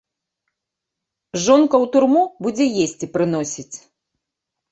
Жонка ў турму будзе есці прыносіць.